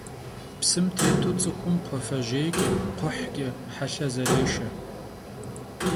Psım têtu ts'ıxum kxhuafejêyç'e, kxhuhç'e helhe zerêşşe.